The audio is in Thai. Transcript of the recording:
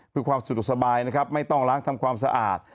เพื่อความสะดวกสบายนะครับไม่ต้องล้างทำความสะอาด